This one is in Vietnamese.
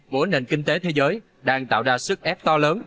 của nền kinh tế thế giới đang tạo ra sức ép to lớn